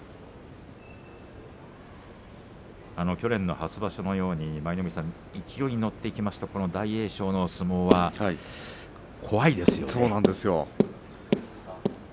去年の初場所のように舞の海さん勢いに乗っていきますと大栄翔の相撲は怖いですよね。